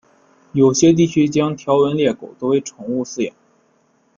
有些地区将条纹鬣狗作为宠物饲养。